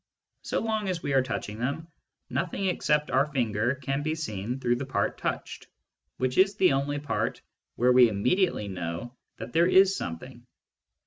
So long as we are touching them, nothing except our finger can be seen through the part touched, which is the only part where we immediately know that there is something.